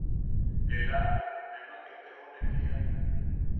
Elaʼapo nemak etejone– tiia.